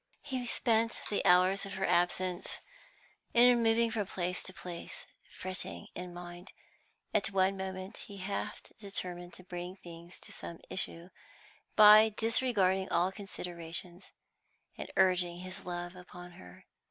He spent the hours of her absence in moving from place to place, fretting in mind. At one moment, he half determined to bring things to some issue, by disregarding all considerations and urging his love upon her.